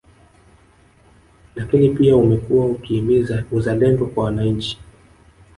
Lakini pia umekuwa ukihimiza uzalendo kwa wananchi